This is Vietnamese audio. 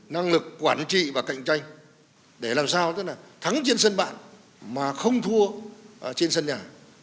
năng lực quản trị và cạnh tranh để làm sao tức là thắng trên sân bạn mà không thua trên sân nhà